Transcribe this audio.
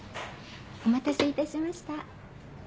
お待たせいたしました。